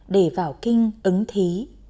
để vào kinh ứng thí